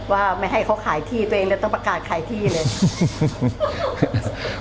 ว่าไม่ให้เขาขายที่ตัวเองแล้วต้องประกาศขายที่เลย